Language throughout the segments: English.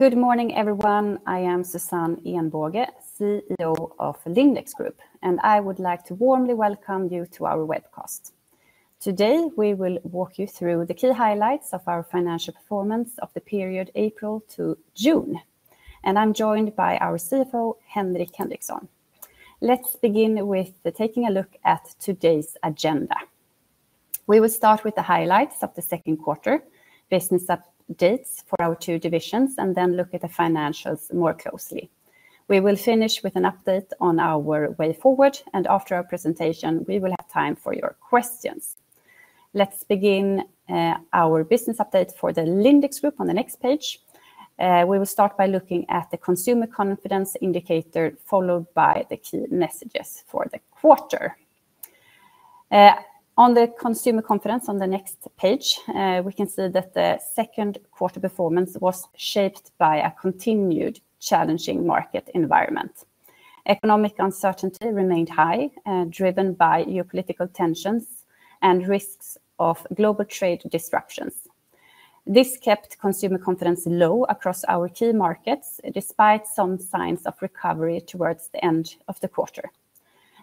Good morning, everyone. I am Susanne Ehnbåge, CEO of Lindex Group, and I would like to warmly welcome you to our webcast. Today, we will walk you through the key highlights of our financial performance of the period April to June, and I'm joined by our CFO, Henrik Henriksson. Let's begin with taking a look at today's agenda. We will start with the highlights of the second quarter, business updates for our two divisions, and then look at the financials more closely. We will finish with an update on our way forward, and after our presentation, we will have time for your questions. Let's begin, our business update for the Lindex Group on the next page. We will start by looking at the consumer confidence indicator, followed by the key messages for the quarter. On the consumer confidence on the next page, we can see that the second quarter performance was shaped by a continued challenging market environment. Economic uncertainty remained high, driven by geopolitical tensions and risks of global trade disruptions. This kept consumer confidence low across our key markets, despite some signs of recovery towards the end of the quarter.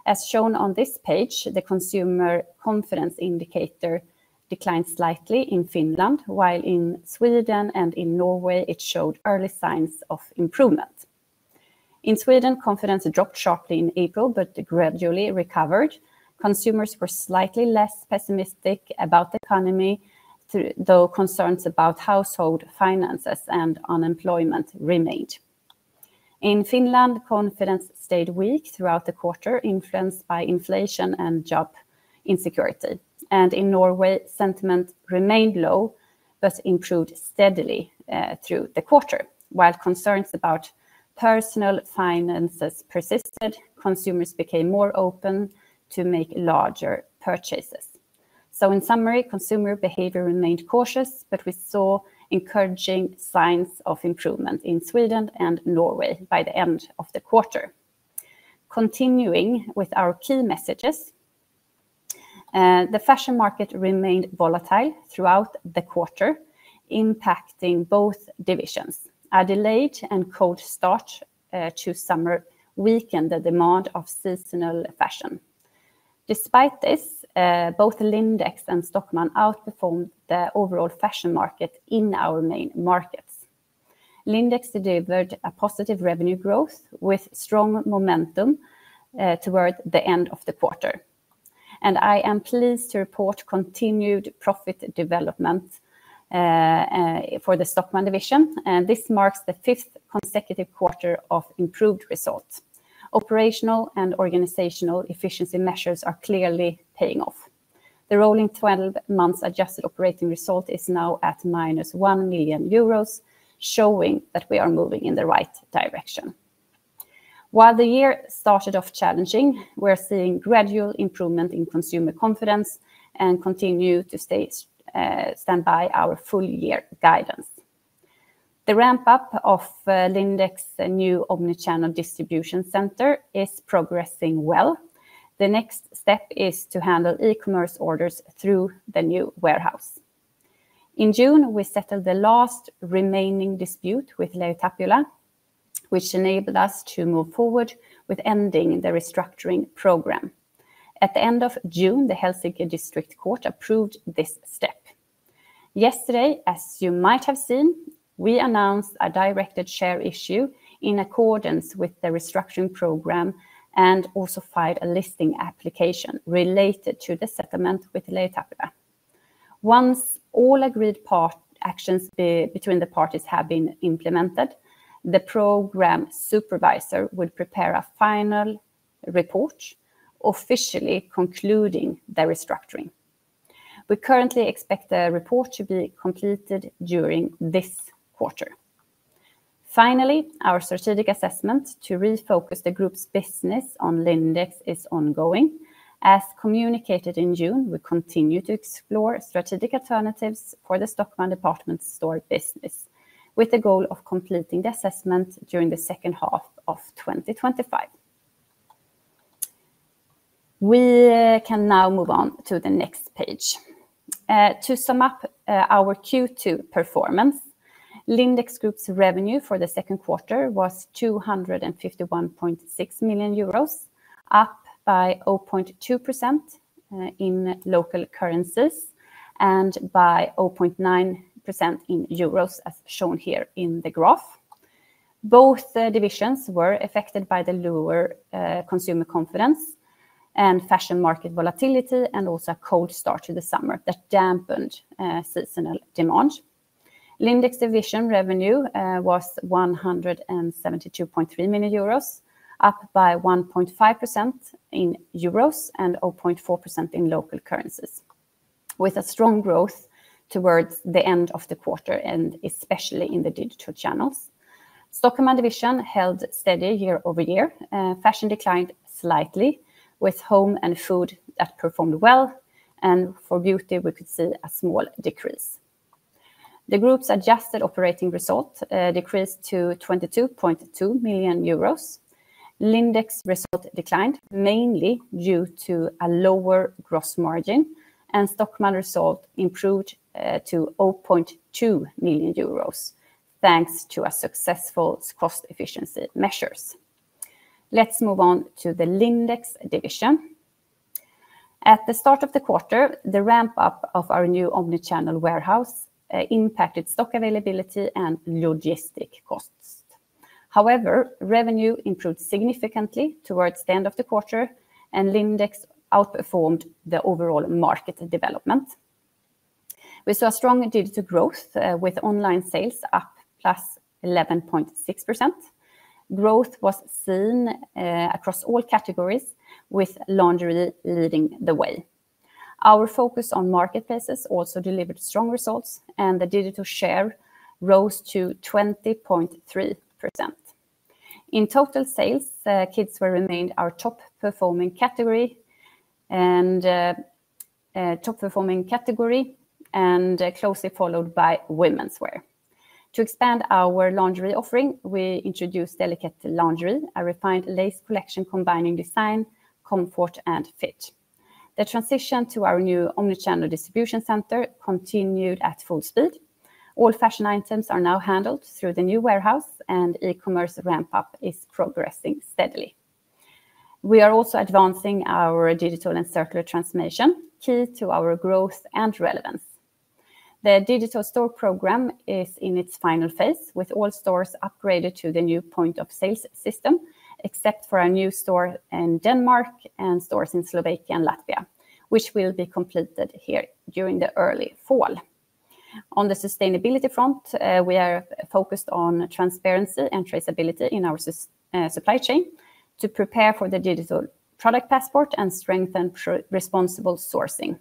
As shown on this page, the consumer confidence indicator declined slightly in Finland, while in Sweden and in Norway, it showed early signs of improvement. In Sweden, confidence dropped sharply in April, but gradually recovered. Consumers were slightly less pessimistic about the economy, though concerns about household finances and unemployment remained. In Finland, confidence stayed weak throughout the quarter, influenced by inflation and job insecurity. In Norway, sentiment remained low, but improved steadily through the quarter, while concerns about personal finances persisted. Consumers became more open to make larger purchases. In summary, consumer behavior remained cautious, but we saw encouraging signs of improvement in Sweden and Norway by the end of the quarter. Continuing with our key messages, the fashion market remained volatile throughout the quarter, impacting both divisions. A delayed and cold start to summer weakened the demand for seasonal fashion. Despite this, both Lindex and Stockmann outperformed the overall fashion market in our main markets. Lindex delivered positive revenue growth with strong momentum towards the end of the quarter. I am pleased to report continued profit development for the Stockmann division. This marks the fifth consecutive quarter of improved results. Operational and organizational efficiency measures are clearly paying off. The rolling 12-month adjusted operating result is now at -1 million euros, showing that we are moving in the right direction. While the year started off challenging, we're seeing gradual improvement in consumer confidence and continue to stand by our full-year guidance. The ramp-up of Lindex's new omnichannel distribution center is progressing well. The next step is to handle e-commerce orders through the new warehouse. In June, we settled the last remaining dispute with LähiTapiola, which enabled us to move forward with ending the restructuring program. At the end of June, the Helsinki district court approved this step. Yesterday, as you might have seen, we announced a directed share issue in accordance with the restructuring program and also filed a listing application related to the settlement with LähiTapiola. Once all agreed actions between the parties have been implemented, the program supervisor will prepare a final report, officially concluding the restructuring. We currently expect the report to be completed during this quarter. Finally, our strategic assessment to refocus the group's business on Lindex is ongoing. As communicated in June, we continue to explore strategic alternatives for the Stockmann department store business, with the goal of completing the assessment during the second half of 2025. We can now move on to the next page. To sum up our Q2 performance, Lindex Group's revenue for the second quarter was 251.6 million euros, up by 0.2% in local currencies and by 0.9% in euros, as shown here in the graph. Both divisions were affected by the lower consumer confidence and fashion market volatility, and also a cold start to the summer that dampened seasonal demand. Lindex division revenue was 172.3 million euros, up by 1.5% in euros and 0.4% in local currencies, with a strong growth towards the end of the quarter and especially in the digital channels. Stockmann division held steady year-over-year. Fashion declined slightly, with home and food that performed well, and for beauty, we could see a small decrease. The group's adjusted operating result decreased to 22.2 million euros. Lindex result declined mainly due to a lower gross margin, and Stockmann result improved to 0.2 million euros, thanks to successful cost efficiency measures. Let's move on to the Lindex division. At the start of the quarter, the ramp-up of our new omnichannel warehouse impacted stock availability and logistic costs. However, revenue improved significantly towards the end of the quarter, and Lindex outperformed the overall market development. We saw strong digital growth, with online sales up +11.6%. Growth was seen across all categories, with lingerie leading the way. Our focus on marketplaces also delivered strong results, and the digital share rose to 20.3%. In total sales, kids' wear remained our top-performing category, closely followed by women's wear. To expand our lingerie offering, we introduced Delicate Laundry, a refined lace collection combining design, comfort, and fit. The transition to our new omnichannel distribution center continued at full speed. All fashion items are now handled through the new warehouse, and e-commerce ramp-up is progressing steadily. We are also advancing our digital and circular transformation, key to our growth and relevance. The digital store program is in its final phase, with all stores upgraded to the new point-of-sales system, except for our new store in Denmark and stores in Slovakia and Latvia, which will be completed during the early fall. On the sustainability front, we are focused on transparency and traceability in our supply chain to prepare for the digital product passport and strengthen responsible sourcing.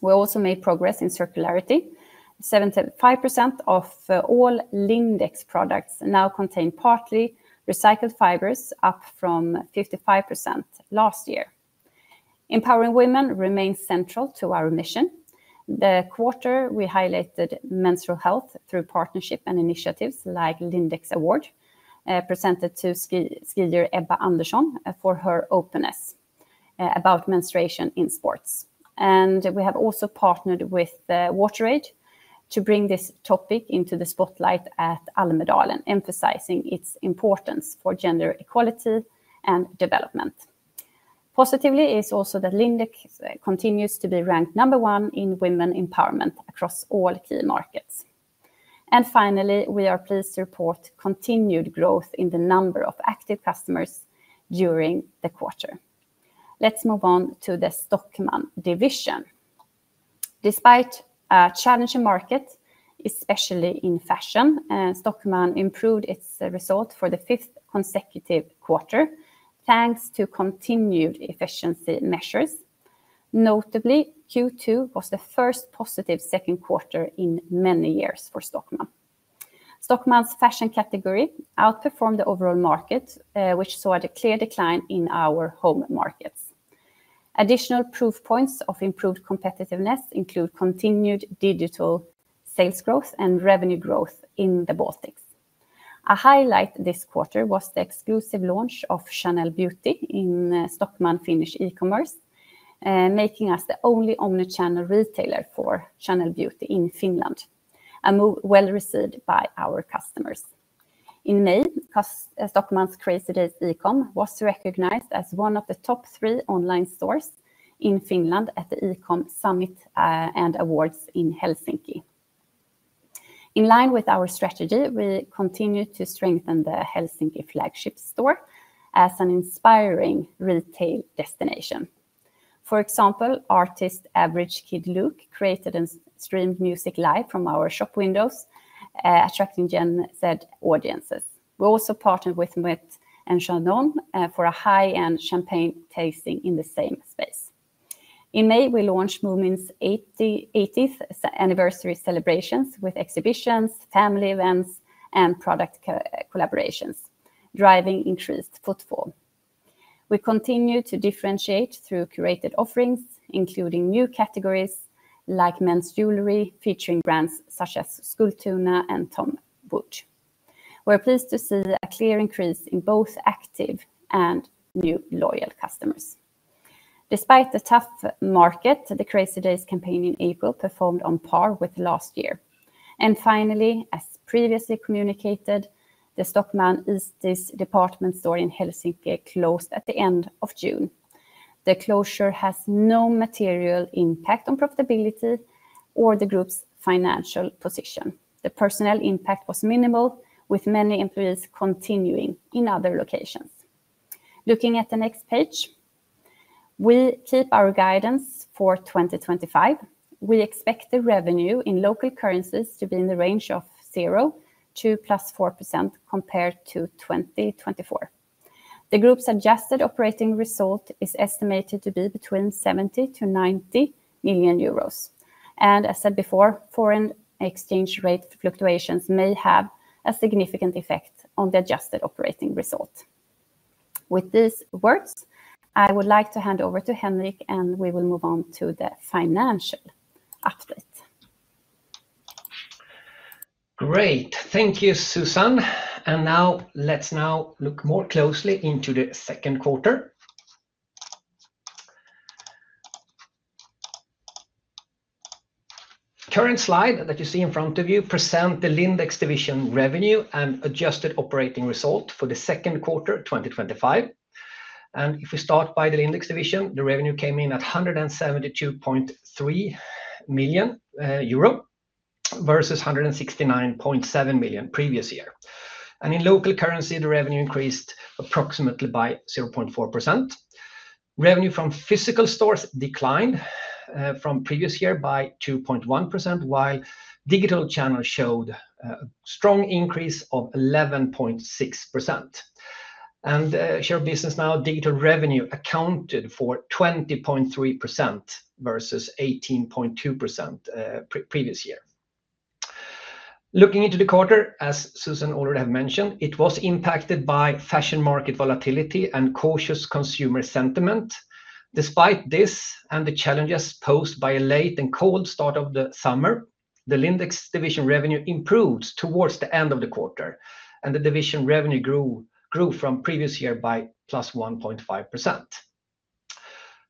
We also made progress in circularity. 75% of all Lindex products now contain partly recycled fibers, up from 55% last year. Empowering women remains central to our mission. This quarter we highlighted menstrual health through partnership and initiatives like Lindex Award, presented to skier Ebba Andersson for her openness about menstruation in sports. We have also partnered with WaterAid to bring this topic into the spotlight at Almedalen, emphasizing its importance for gender equality and development. Positively, Lindex continues to be ranked number one in women empowerment across all key markets. Finally, we are pleased to report continued growth in the number of active customers during the quarter. Let's move on to the Stockmann division. Despite a challenging market, especially in fashion, Stockmann improved its result for the fifth consecutive quarter, thanks to continued efficiency measures. Notably, Q2 was the first positive second quarter in many years for Stockmann. Stockmann's fashion category outperformed the overall market, which saw a clear decline in our home markets. Additional proof points of improved competitiveness include continued digital sales growth and revenue growth in the Baltics. A highlight this quarter was the exclusive launch of Chanel Beauty in Stockmann Finnish e-commerce, making us the only omnichannel retailer for Chanel Beauty in Finland, a move well received by our customers. In May, Stockmann's Crazy Days e-com was recognized as one of the top three online stores in Finland at the e-com summit and awards in Helsinki. In line with our strategy, we continue to strengthen the Helsinki flagship store as an inspiring retail destination. For example, artist Averagekidluke created and streamed music live from our shop windows, attracting Gen Z audiences. We also partnered with MET and Chanel for a high-end champagne tasting in the same space. In May, we launched Movement's 80th anniversary celebrations with exhibitions, family events, and product collaborations, driving increased footfall. We continue to differentiate through curated offerings, including new categories like men's jewelry featuring brands such as Skultuna and Tom Wood. We're pleased to see a clear increase in both active and new loyal customers. Despite the tough market, the Crazy Days campaign in April performed on par with last year. Finally, as previously communicated, the Stockmann EastEast department store in Helsinki closed at the end of June. The closure has no material impact on profitability or the group's financial position. The personnel impact was minimal, with many employees continuing in other locations. Looking at the next page, we keep our guidance for 2025. We expect the revenue in local currencies to be in the range of 0% to +4% compared to 2024. The group's adjusted operating result is estimated to be between 70 million-90 million euros. As said before, foreign exchange rate fluctuations may have a significant effect on the adjusted operating result. With these words, I would like to hand over to Henrik, and we will move on to the financial update. Great, thank you, Susanne. Now, let's look more closely into the second quarter. The current slide that you see in front of you presents the Lindex division revenue and adjusted operating result for the second quarter 2025. If we start by the Lindex division, the revenue came in at 172.3 million euro versus 169.7 million previous year. In local currency, the revenue increased approximately by 0.4%. Revenue from physical stores declined from previous year by 2.1%, while digital channels showed a strong increase of 11.6%. The share of business now, digital revenue accounted for 20.3% versus 18.2% previous year. Looking into the quarter, as Susanne already mentioned, it was impacted by fashion market volatility and cautious consumer sentiment. Despite this and the challenges posed by a late and cold start of the summer, the Lindex division revenue improved towards the end of the quarter, and the division revenue grew from previous year by 1.5%.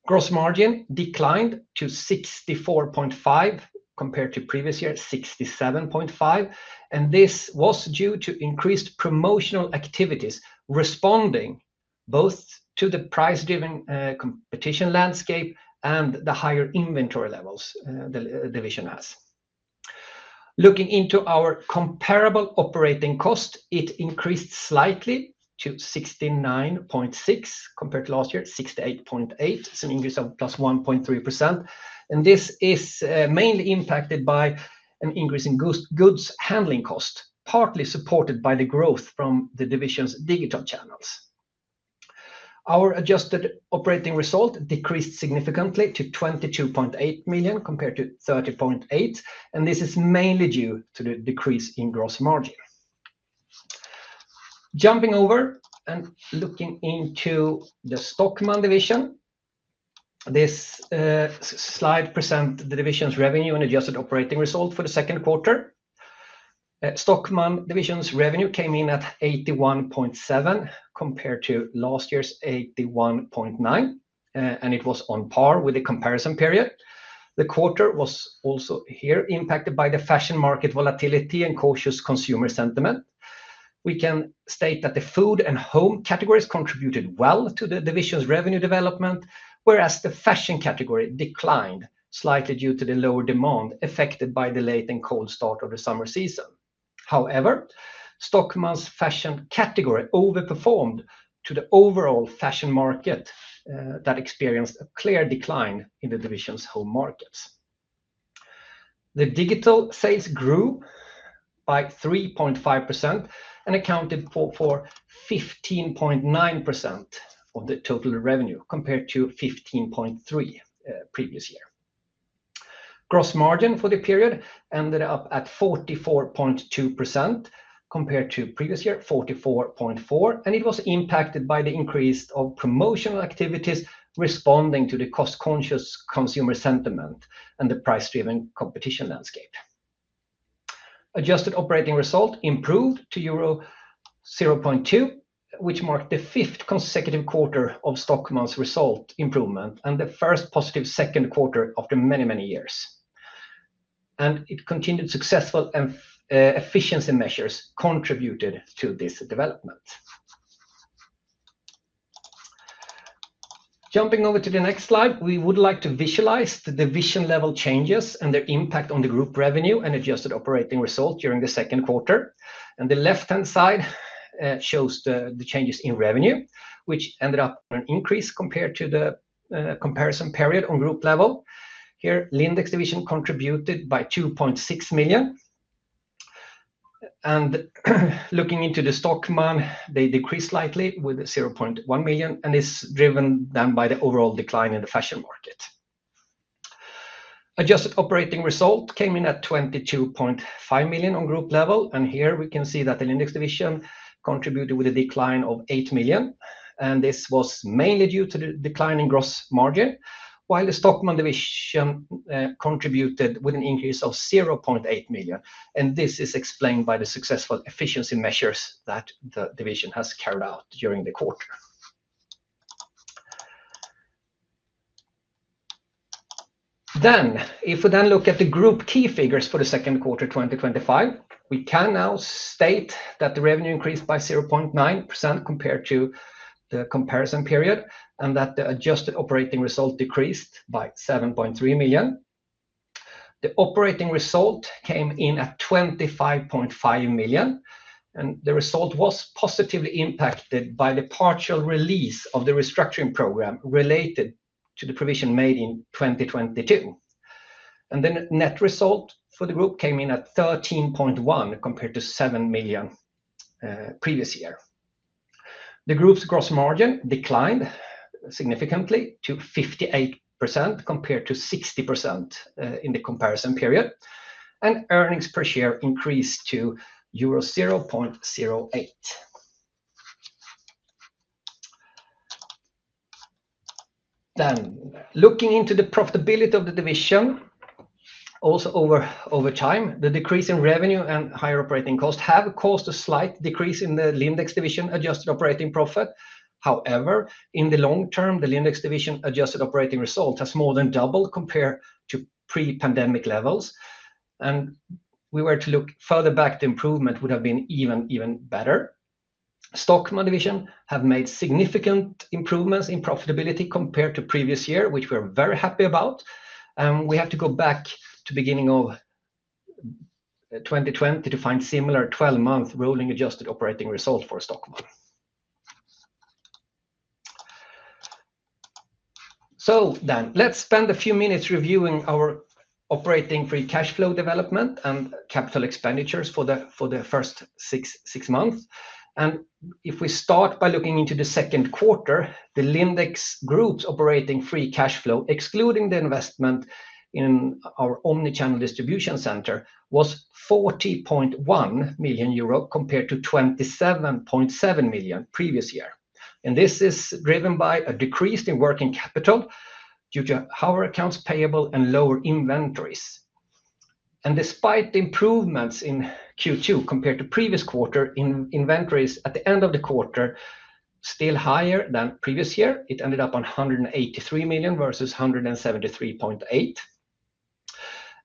Gross margin declined to 64.5% compared to previous year at 67.5%, and this was due to increased promotional activities responding both to the price-driven competition landscape and the higher inventory levels the division has. Looking into our comparable operating cost, it increased slightly to 69.6% compared to last year, 68.8%, so an increase of 1.3%. This is mainly impacted by an increase in goods handling cost, partly supported by the growth from the division's digital channels. Our adjusted operating result decreased significantly to 22.8 million compared to 30.8 million, and this is mainly due to the decrease in gross margin. Jumping over and looking into the Stockmann division, this slide presents the division's revenue and adjusted operating result for the second quarter. Stockmann division's revenue came in at 81.7 million compared to last year's 81.9 million, and it was on par with the comparison period. The quarter was also here impacted by the fashion market volatility and cautious consumer sentiment. We can state that the food and home categories contributed well to the division's revenue development, whereas the fashion category declined slightly due to the lower demand affected by the late and cold start of the summer season. However, Stockmann's fashion category overperformed to the overall fashion market that experienced a clear decline in the division's home markets. The digital sales grew by 3.5% and accounted for 15.9% of the total revenue compared to 15.3% previous year. Gross margin for the period ended up at 44.2% compared to previous year 44.4%, and it was impacted by the increase of promotional activities responding to the cost-conscious consumer sentiment and the price-driven competition landscape. Adjusted operating result improved to euro 0.2 million, which marked the fifth consecutive quarter of Stockmann's result improvement and the first positive second quarter in many, many years. It continued successful efficiency measures contributed to this development. Jumping over to the next slide, we would like to visualize the division-level changes and their impact on the group revenue and adjusted operating result during the second quarter. The left-hand side shows the changes in revenue, which ended up on an increase compared to the comparison period on group level. Here, Lindex division contributed by 2.6 million. Looking into Stockmann, they decreased slightly with 0.1 million, and this is driven by the overall decline in the fashion market. Adjusted operating result came in at 22.5 million on group level, and here we can see that the Lindex division contributed with a decline of 8 million, and this was mainly due to the declining gross margin, while the Stockmann division contributed with an increase of 0.8 million. This is explained by the successful efficiency measures that the division has carried out during the quarter. If we look at the group key figures for the second quarter 2025, we can now state that the revenue increased by 0.9% compared to the comparison period and that the adjusted operating result decreased by 7.3 million. The operating result came in at 25.5 million, and the result was positively impacted by the partial release of the restructuring program related to the provision made in 2022. The net result for the group came in at 13.1 million compared to 7 million previous year. The group's gross margin declined significantly to 58% compared to 60% in the comparison period, and earnings per share increased to euro 0.08. Looking into the profitability of the division, also over time, the decrease in revenue and higher operating costs have caused a slight decrease in the Lindex division adjusted operating profit. However, in the long term, the Lindex division adjusted operating result has more than doubled compared to pre-pandemic levels. If we were to look further back, the improvement would have been even, even better. Stockmann division have made significant improvements in profitability compared to previous year, which we are very happy about. We have to go back to the beginning of 2020 to find similar 12-month rolling adjusted operating result for Stockmann. Let's spend a few minutes reviewing our operating free cash flow development and capital expenditures for the first six months. If we start by looking into the second quarter, the Lindex Group's operating free cash flow, excluding the investment in our omnichannel distribution center, was 40.1 million euro compared to 27.7 million previous year. This is driven by a decrease in working capital due to our accounts payable and lower inventories. Despite the improvements in Q2 compared to previous quarter, inventories at the end of the quarter are still higher than previous year. It ended up on 183 million versus 173.8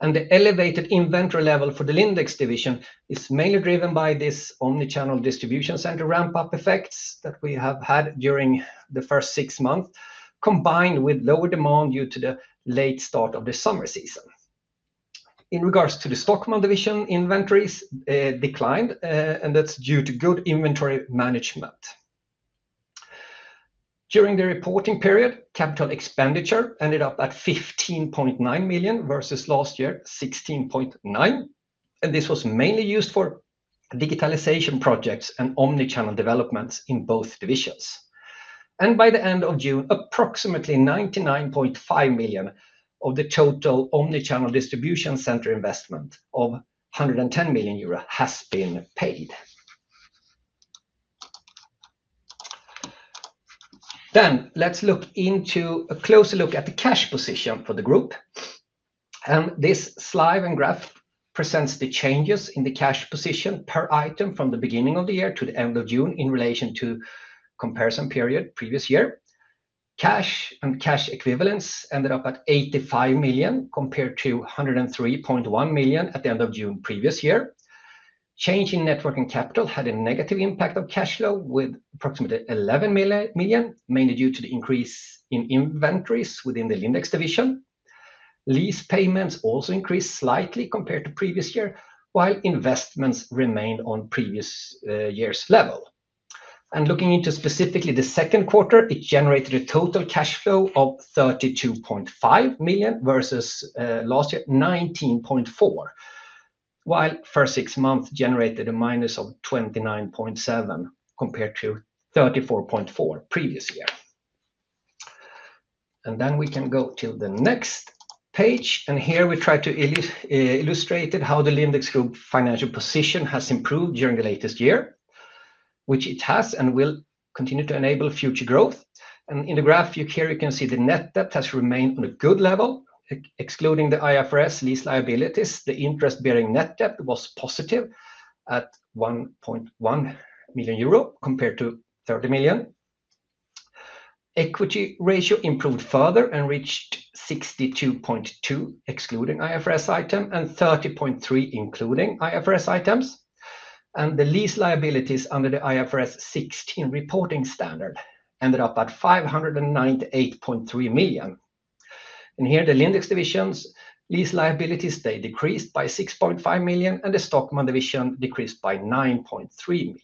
million. The elevated inventory level for the Lindex division is mainly driven by this omnichannel distribution center ramp-up effects that we have had during the first six months, combined with lower demand due to the late start of the summer season. In regards to the Stockmann division, inventories declined, and that's due to good inventory management. During the reporting period, capital expenditure ended up at 15.9 million versus last year 16.9 million. This was mainly used for digitalization projects and omnichannel developments in both divisions. By the end of June, approximately 99.5 million of the total omnichannel distribution center investment of 110 million euro has been paid. Let's look into a closer look at the cash position for the group. This slide and graph present the changes in the cash position per item from the beginning of the year to the end of June in relation to the comparison period previous year. Cash and cash equivalents ended up at 85 million compared to 103.1 million at the end of June previous year. Change in net working capital had a negative impact on cash flow with approximately 11 million, mainly due to the increase in inventories within the Lindex division. Lease payments also increased slightly compared to previous year, while investments remained on previous year's level. Looking into specifically the second quarter, it generated a total cash flow of 32.5 million versus last year 19.4 million, while the first six months generated a minus of 29.7 million compared to 34.4 million previous year. We can go to the next page, and here we try to illustrate how the Lindex Group's financial position has improved during the latest year, which it has and will continue to enable future growth. In the graph, you can see the net debt has remained on a good level, excluding the IFRS lease liabilities. The interest-bearing net debt was positive at 1.1 million euro compared to 30 million. Equity ratio improved further and reached 62.2% excluding IFRS items and 30.3% including IFRS items. The lease liabilities under the IFRS 16 reporting standard ended up at 598.3 million. The Lindex division's lease liabilities decreased by 6.5 million, and the Stockmann division decreased by 9.3 million.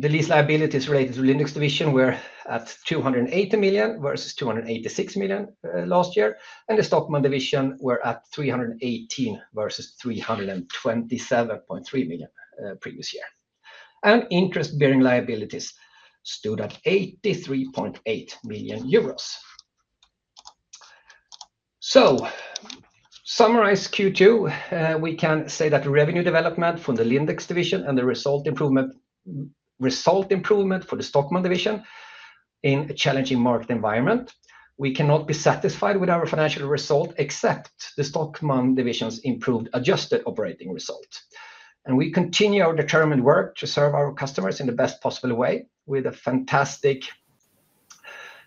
The lease liabilities related to Lindex division were at 280 million versus 286 million last year, and the Stockmann division were at 318 million versus 327.3 million previous year. Interest-bearing liabilities stood at 83.8 million euros. To summarize Q2, we can say that revenue development from the Lindex division and the result improvement for the Stockmann division in a challenging market environment, we cannot be satisfied with our financial result except the Stockmann division's improved adjusted operating result. We continue our determined work to serve our customers in the best possible way with a fantastic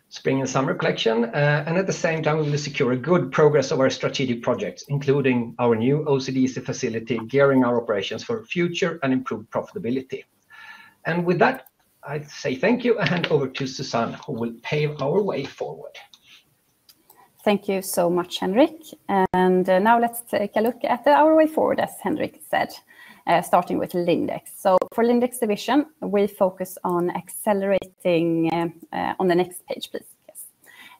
spring and summer collection. At the same time, we'll secure a good progress of our strategic projects, including our new omnichannel distribution center facility, gearing our operations for future and improved profitability. With that, I'd say thank you and hand over to Susanne, who will pave our way forward. Thank you so much, Henrik. Now let's take a look at our way forward, as Henrik said, starting with Lindex. For the Lindex division, we focus on accelerating on the next page, please.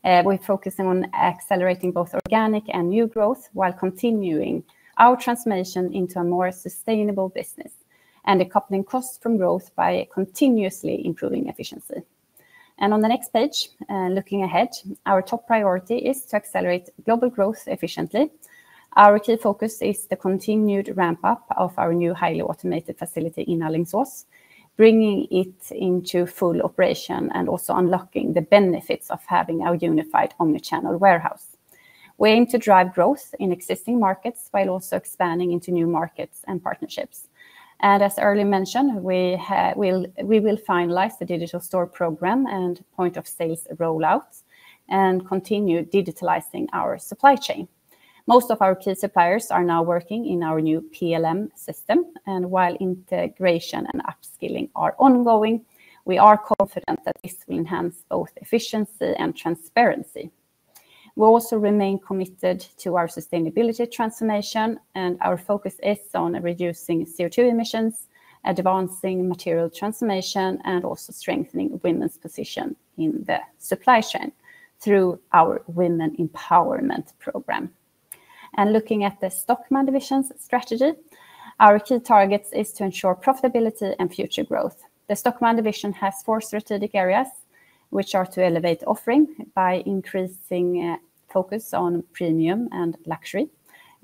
We're focusing on accelerating both organic and new growth while continuing our transformation into a more sustainable business and decoupling costs from growth by continuously improving efficiency. On the next page, looking ahead, our top priority is to accelerate global growth efficiently. Our key focus is the continued ramp-up of our new highly automated facility in Alingsås, bringing it into full operation and also unlocking the benefits of having our unified omnichannel warehouse. We aim to drive growth in existing markets while also expanding into new markets and partnerships. As earlier mentioned, we will finalize the digital store program and point-of-sales rollout and continue digitalizing our supply chain. Most of our key suppliers are now working in our new PLM system. While integration and upskilling are ongoing, we are confident that this will enhance both efficiency and transparency. We will also remain committed to our sustainability transformation, and our focus is on reducing CO2 emissions, advancing material transformation, and also strengthening women's position in the supply chain through our women empowerment program. Looking at the Stockmann division's strategy, our key target is to ensure profitability and future growth. The Stockmann division has four strategic areas, which are to elevate offering by increasing focus on premium and luxury,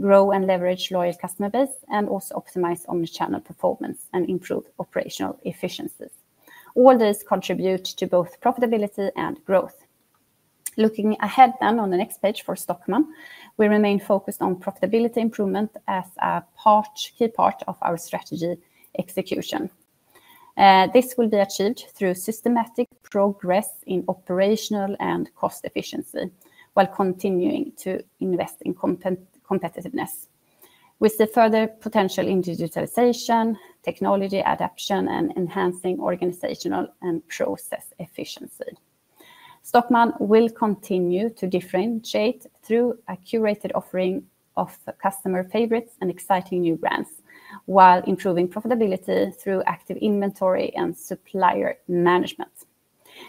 grow and leverage loyal customer base, and also optimize omnichannel performance and improve operational efficiencies. All these contribute to both profitability and growth. Looking ahead on the next page for Stockmann, we remain focused on profitability improvement as a key part of our strategy execution. This will be achieved through systematic progress in operational and cost efficiency, while continuing to invest in competitiveness with the further potential in digitalization, technology adoption, and enhancing organizational and process efficiency. Stockmann will continue to differentiate through a curated offering of customer favorites and exciting new brands, while improving profitability through active inventory and supplier management.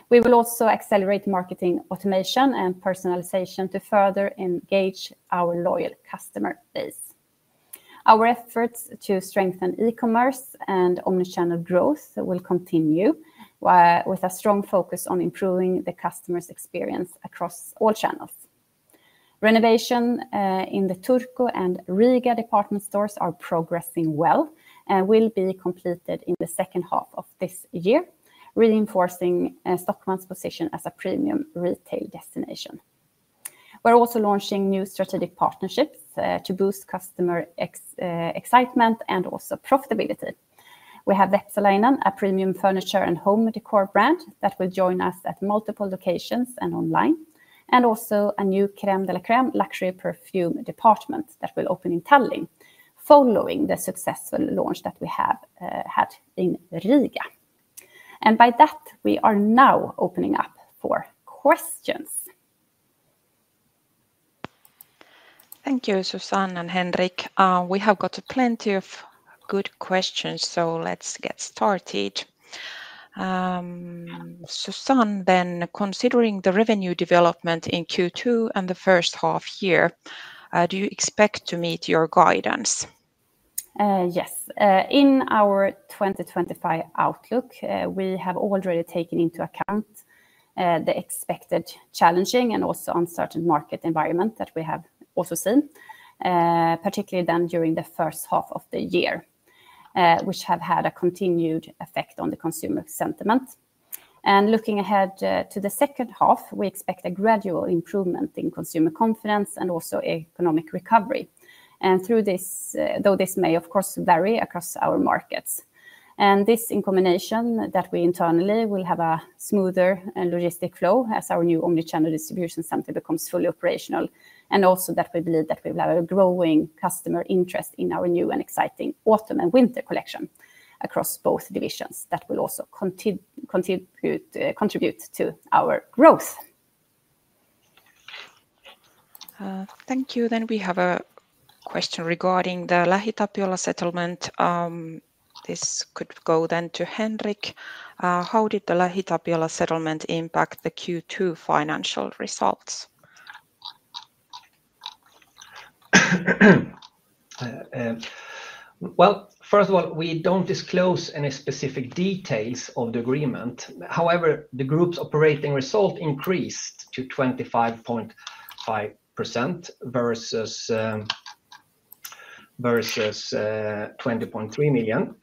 We will also accelerate marketing automation and personalization to further engage our loyal customer base. Our efforts to strengthen e-commerce and omnichannel growth will continue, with a strong focus on improving the customer's experience across all channels. Renovation in the Turku and Riga department stores are progressing well and will be completed in the second half of this year, reinforcing Stockmann's position as a premium retail destination. We're also launching new strategic partnerships to boost customer excitement and also profitability. We have Vepsäläinen, a premium furniture and home decor brand that will join us at multiple locations and online, and also a new Crème de la Crème luxury perfume department that will open in Tallinn, following the successful launch that we have had in Riga. By that, we are now opening up for questions. Thank you, Susanne and Henrik. We have got plenty of good questions, so let's get started. Susanne, considering the revenue development in Q2 and the first half year, do you expect to meet your guidance? Yes, in our 2025 outlook, we have already taken into account the expected challenging and also uncertain market environment that we have also seen, particularly then during the first half of the year, which have had a continued effect on the consumer sentiment. Looking ahead to the second half, we expect a gradual improvement in consumer confidence and also economic recovery. Though this may, of course, vary across our markets, this in combination that we internally will have a smoother logistic flow as our new omnichannel distribution center becomes fully operational, and also that we believe that we will have a growing customer interest in our new and exciting autumn and winter collection across both divisions that will also contribute to our growth. Thank you. We have a question regarding the LähiTapiola settlement. This could go to Henrik. How did the LähiTapiola settlement impact the Q2 financial results? First of all, we don't disclose any specific details of the agreement. However, the group's operating result increased to 25.5% versus 20.3 million.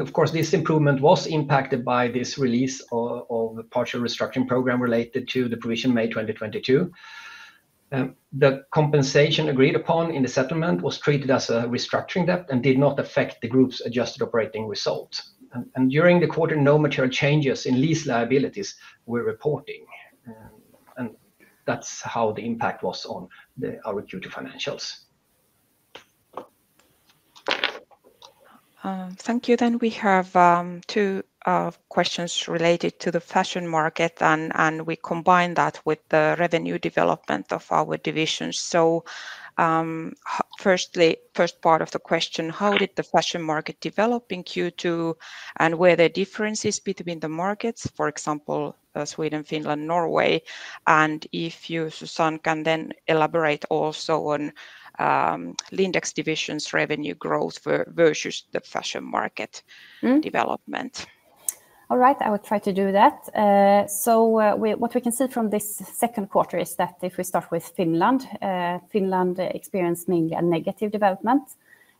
Of course, this improvement was impacted by this release of a partial restructuring program related to the provision May 2022. The compensation agreed upon in the settlement was treated as a restructuring debt and did not affect the group's adjusted operating result. During the quarter, no material changes in lease liabilities were reported. That's how the impact was on our Q2 financials. Thank you. We have two questions related to the fashion market, and we combine that with the revenue development of our divisions. The first part of the question is, how did the fashion market develop in Q2 and were there differences between the markets, for example, Sweden, Finland, Norway? If you, Susanne, can then elaborate also on Lindex division's revenue growth versus the fashion market development. All right, I will try to do that. What we can see from this second quarter is that if we start with Finland, Finland experienced mainly a negative development,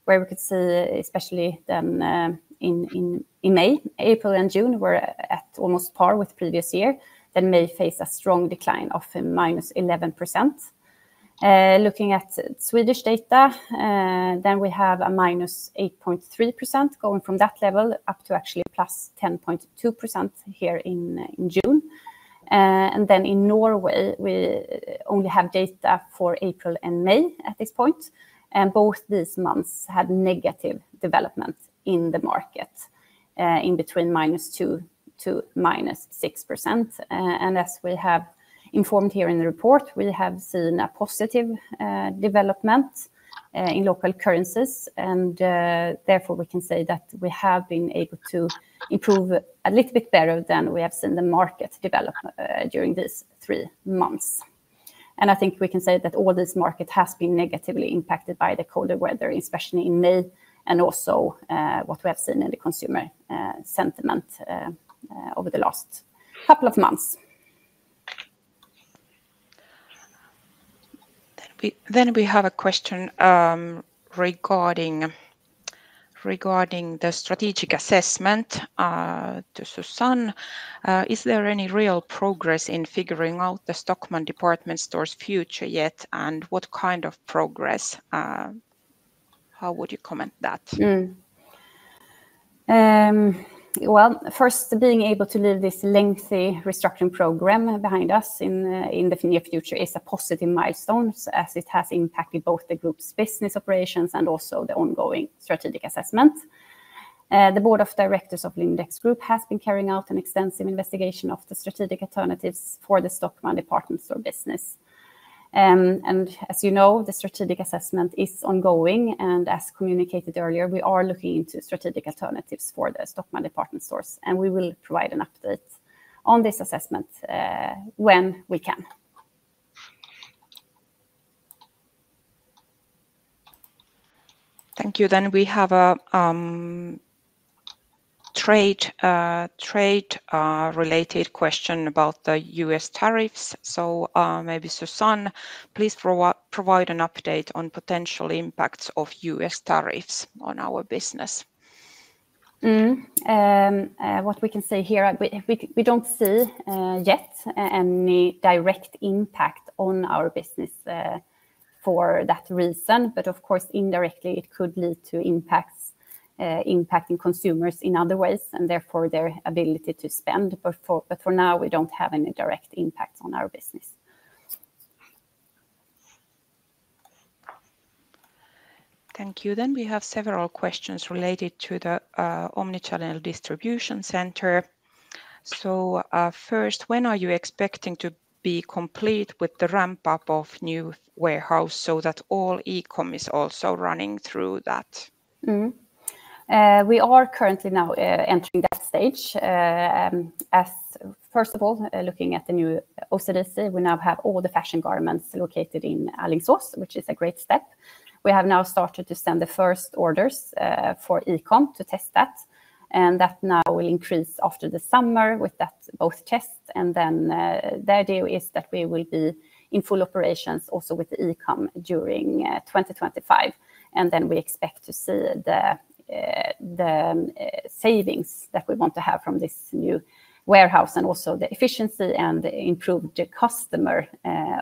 where we could see, especially in May, April, and June, we were at almost par with the previous year. Then May faced a strong decline of -11%. Looking at Swedish data, we have a -8.3% going from that level up to actually +10.2% here in June. In Norway, we only have data for April and May at this point, and both these months had negative development in the market, in between -2% to-6%. As we have informed here in the report, we have seen a positive development in local currencies. Therefore, we can say that we have been able to improve a little bit better than we have seen the market develop during these three months. I think we can say that all this market has been negatively impacted by the colder weather, especially in May, and also what we have seen in the consumer sentiment over the last couple of months. We have a question regarding the strategic assessment to Susanne. Is there any real progress in figuring out the Stockmann department store's future yet? What kind of progress? How would you comment that? Being able to leave this lengthy restructuring program behind us in the near future is a positive milestone, as it has impacted both the group's business operations and also the ongoing strategic assessment. The Board of Directors of Lindex Group has been carrying out an extensive investigation of the strategic alternatives for the Stockmann department store business. As you know, the strategic assessment is ongoing. As communicated earlier, we are looking into strategic alternatives for the Stockmann department stores, and we will provide an update on this assessment when we can. Thank you. We have a trade-related question about the U.S. tariffs. Susanne, please provide an update on potential impacts of U.S. tariffs on our business. What we can say here, we don't see yet any direct impact on our business for that reason. Of course, indirectly, it could lead to impacts impacting consumers in other ways and therefore their ability to spend. For now, we don't have any direct impacts on our business. Thank you. We have several questions related to the omnichannel distribution center. First, when are you expecting to be complete with the ramp-up of the new warehouse so that all e-com is also running through that? We are currently now entering that stage. First of all, looking at the new omnichannel distribution center, we now have all the fashion garments located in Alingsås, which is a great step. We have now started to send the first orders for e-com to test that. That now will increase after the summer with that both test. The idea is that we will be in full operations also with the e-com during 2025. We expect to see the savings that we want to have from this new warehouse and also the efficiency and the improved customer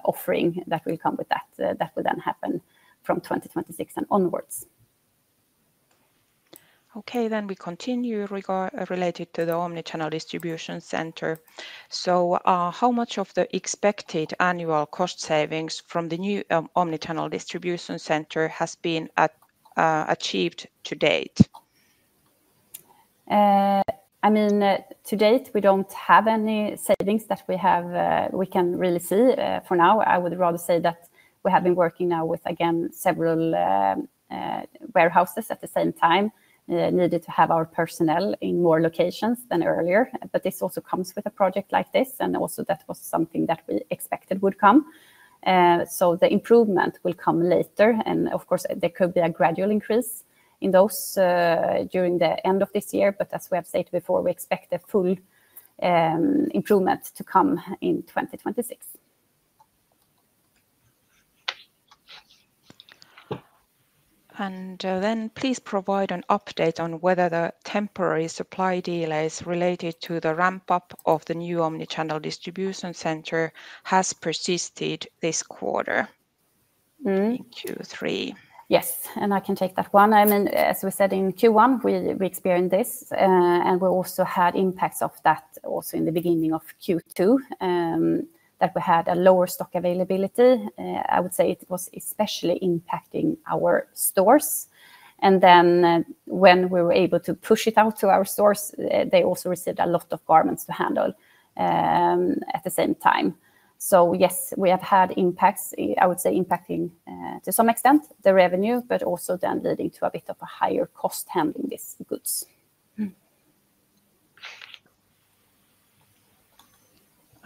offering that will come with that. That will then happen from 2026 and onwards. Okay, we continue related to the omnichannel distribution center. How much of the expected annual cost savings from the new omnichannel distribution center has been achieved to date? I mean, to date, we don't have any savings that we can really see for now. I would rather say that we have been working now with, again, several warehouses at the same time, needed to have our personnel in more locations than earlier. This also comes with a project like this. That was something that we expected would come. The improvement will come later. Of course, there could be a gradual increase in those during the end of this year. As we have stated before, we expect a full improvement to come in 2026. Please provide an update on whether the temporary supply delays related to the ramp-up of the new omnichannel distribution center have persisted this quarter in Q3. Yes, I can take that one. As we said in Q1, we experienced this. We also had impacts of that in the beginning of Q2 that we had a lower stock availability. I would say it was especially impacting our stores. When we were able to push it out to our stores, they also received a lot of garments to handle at the same time. Yes, we have had impacts, I would say, impacting to some extent the revenue, but also leading to a bit of a higher cost handling these goods.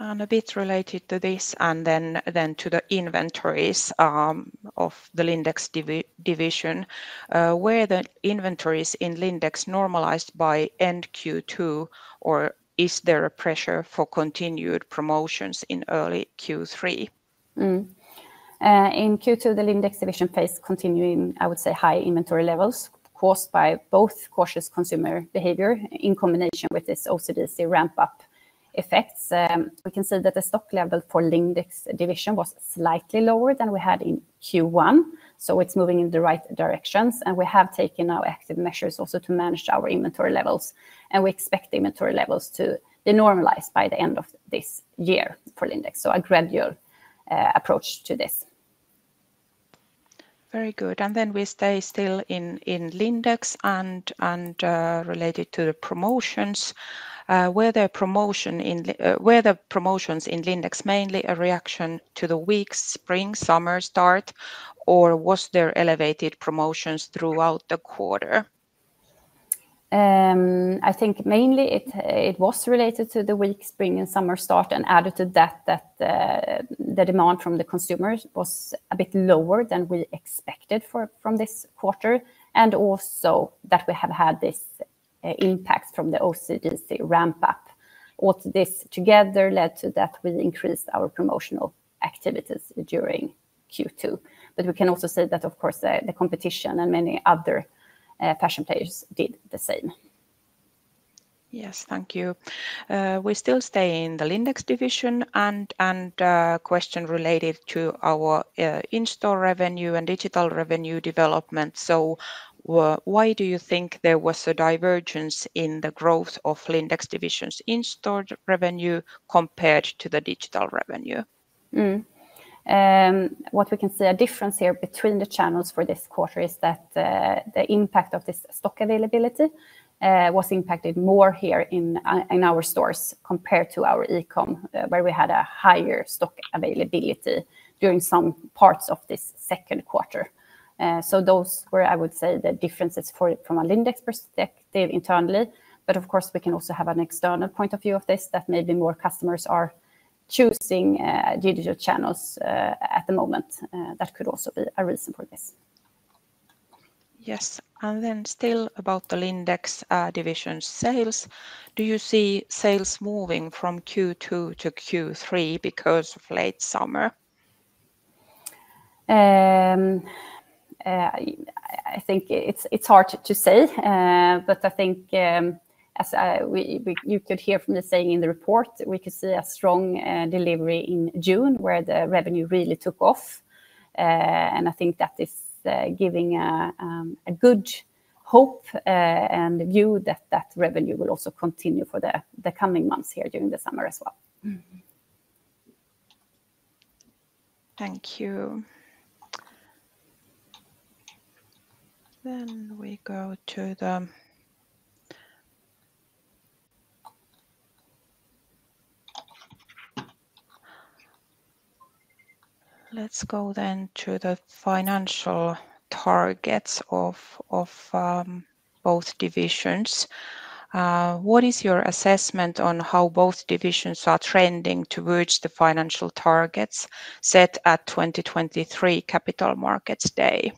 A bit related to this and then to the inventories of the Lindex division, were the inventories in Lindex normalized by end Q2, or is there a pressure for continued promotions in early Q3? In Q2, the Lindex division faced continuing, I would say, high inventory levels caused by both cautious consumer behavior in combination with this omnichannel distribution center ramp-up effects. We can see that the stock level for Lindex division was slightly lower than we had in Q1. It's moving in the right directions. We have taken now active measures also to manage our inventory levels, and we expect the inventory levels to normalize by the end of this year for Lindex. A gradual approach to this. Very good. We stay still in Lindex and related to the promotions. Were the promotions in Lindex mainly a reaction to the weak spring-summer start, or was there elevated promotions throughout the quarter? I think mainly it was related to the weak spring and summer start, and added to that, the demand from the consumers was a bit lower than we expected from this quarter, and also that we have had these impacts from the omnichannel distribution center ramp-up. All this together led to that we increased our promotional activities during Q2. We can also say that, of course, the competition and many other fashion players did the same. Yes, thank you. We still stay in the Lindex division, and a question related to our in-store revenue and digital revenue development. Why do you think there was a divergence in the growth of Lindex division's in-store revenue compared to the digital revenue? What we can see a difference here between the channels for this quarter is that the impact of this stock availability was impacted more here in our stores compared to our e-com, where we had a higher stock availability during some parts of this second quarter. Those were, I would say, the differences from a Lindex perspective internally. Of course, we can also have an external point of view of this that maybe more customers are choosing digital channels at the moment. That could also be a reason for this. Yes, and then still about the Lindex division sales, do you see sales moving from Q2 to Q3 because of late summer? I think it's hard to say, but I think you could hear from the saying in the report, we could see a strong delivery in June where the revenue really took off. I think that is giving a good hope and view that that revenue will also continue for the coming months here during the summer as well. Thank you. Let's go to the financial targets of both divisions. What is your assessment on how both divisions are trending towards the financial targets set at the 2023 Capital Markets Day?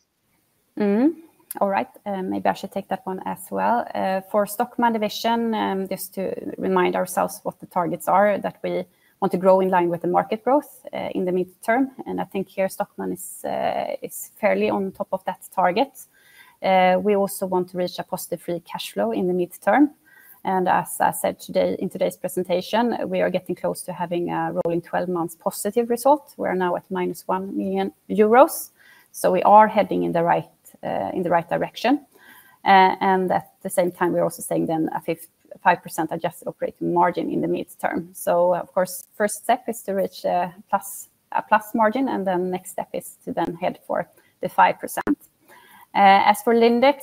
All right, maybe I should take that one as well. For Stockmann division, just to remind ourselves what the targets are, that we want to grow in line with the market growth in the mid-term. I think here Stockmann is fairly on top of that target. We also want to reach a positive free cash flow in the mid-term. As I said in today's presentation, we are getting close to having a rolling 12-month positive result. We are now at -1 million euros. We are heading in the right direction. At the same time, we're also saying then a 5% adjusted operating margin in the mid-term. Of course, first step is to reach a plus margin, and then the next step is to then head for the 5%. As for Lindex,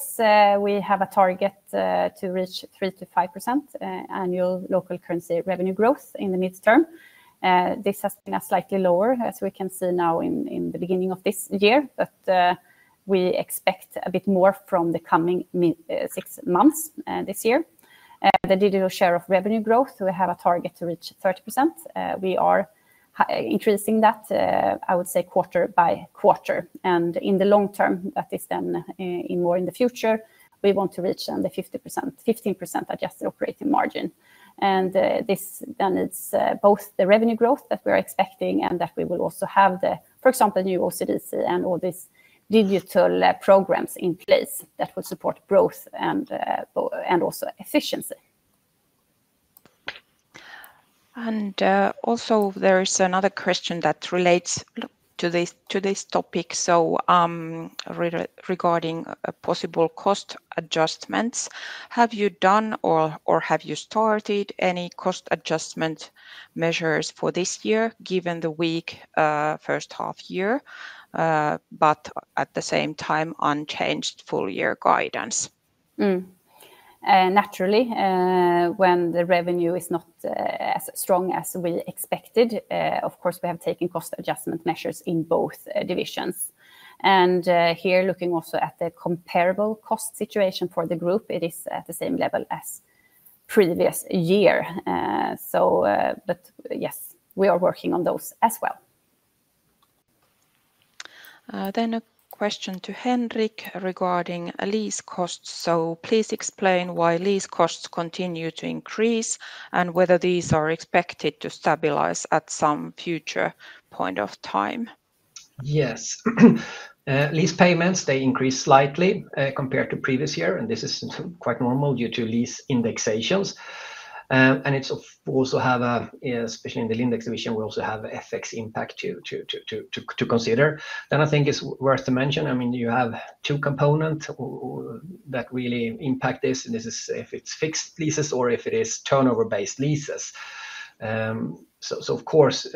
we have a target to reach 3%-5% annual local currency revenue growth in the mid-term. This has been slightly lower, as we can see now in the beginning of this year, but we expect a bit more from the coming six months this year. The digital share of revenue growth, we have a target to reach 30%. We are increasing that, I would say, quarter-by-quarter. In the long term, that is then more in the future, we want to reach the 15% adjusted operating margin. This then leads both the revenue growth that we are expecting and that we will also have the, for example, new omnichannel distribution center and all these digital programs in place that will support growth and also efficiency. There is another question that relates to this topic. Regarding possible cost adjustments, have you done or have you started any cost adjustment measures for this year, given the weak first half year, but at the same time unchanged full-year guidance? Naturally, when the revenue is not as strong as we expected, of course, we have taken cost adjustment measures in both divisions. Here, looking also at the comparable cost situation for the group, it is at the same level as the previous year. Yes, we are working on those as well. A question to Henrik regarding lease costs. Please explain why lease costs continue to increase and whether these are expected to stabilize at some future point of time. Yes, lease payments increased slightly compared to the previous year, and this is quite normal due to lease indexations. It's also, especially in the Lindex division, we also have an FX impact to consider. I think it's worth to mention, you have two components that really impact this. This is if it's fixed leases or if it is turnover-based leases. Of course,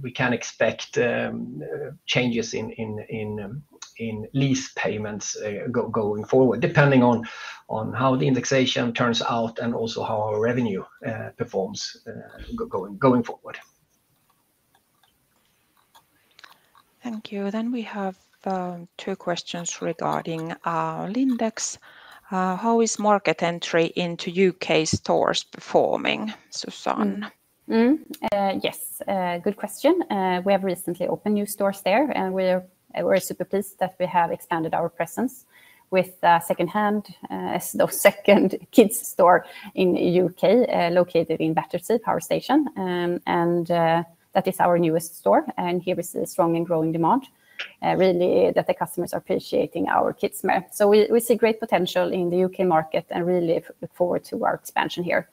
we can expect changes in lease payments going forward, depending on how the indexation turns out and also how our revenue performs going forward. Thank you. We have two questions regarding Lindex. How is market entry into U.K. stores performing, Susanne? Yes, good question. We have recently opened new stores there, and we're super pleased that we have expanded our presence with secondhand, as the second kids' wear store in the U.K., located in Battersea Power Station. That is our newest store. Here we see a strong and growing demand, really, that the customers are appreciating our kids' wear merch. We see great potential in the U.K. market and really look forward to our expansion here.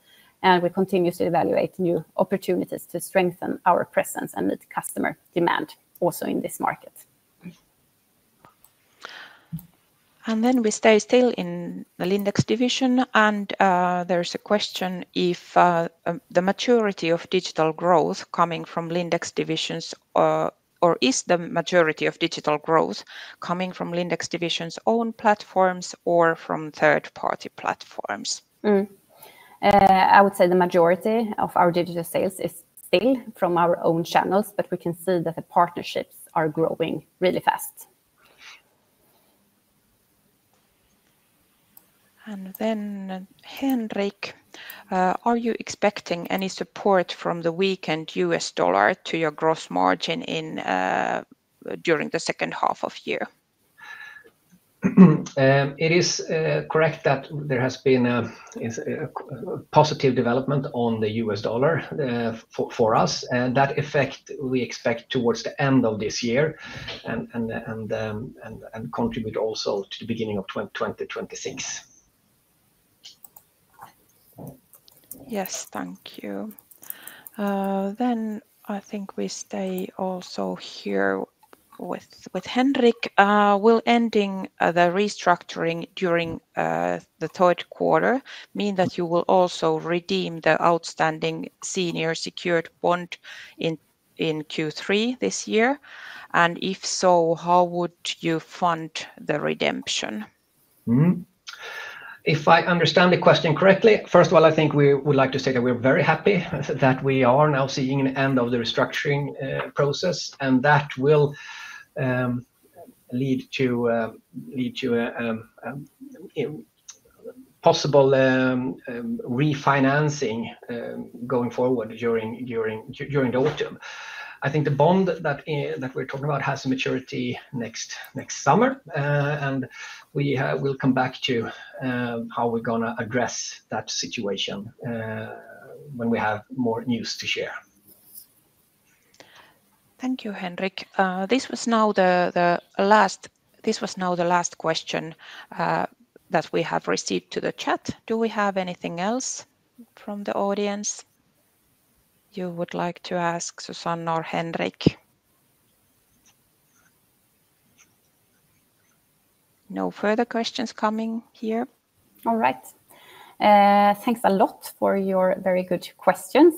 We continue to evaluate new opportunities to strengthen our presence and meet customer demand also in this market. We stay still in the Lindex division. There's a question if the majority of digital growth is coming from Lindex division's own platforms or from third-party platforms. I would say the majority of our digital sales is still from our own channels, but we can see that the partnerships are growing really fast. Henrik, are you expecting any support from the weakened U.S. dollar to your gross margin during the second half of the year? It is correct that there has been a positive development on the U.S. dollar for us. That effect we expect towards the end of this year and contribute also to the beginning of 2026. Yes, thank you. I think we stay also here with Henrik. Will ending the restructuring during the third quarter mean that you will also redeem the outstanding senior secured bond in Q3 this year? If so, how would you fund the redemption? If I understand the question correctly, first of all, I think we would like to say that we're very happy that we are now seeing the end of the restructuring process. That will lead to possible refinancing going forward during the autumn. I think the bond that we're talking about has maturity next summer, and we will come back to how we're going to address that situation when we have more news to share. Thank you, Henrik. This was now the last question that we have received to the chat. Do we have anything else from the audience you would like to ask, Susanne or Henrik? No further questions coming here. All right. Thanks a lot for your very good questions.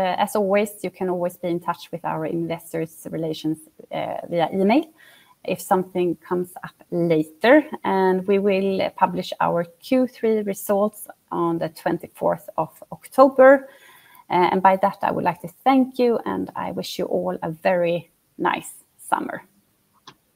As always, you can always be in touch with our investor relations via email if something comes up later. We will publish our Q3 results on the 24th of October. By that, I would like to thank you, and I wish you all a very nice summer.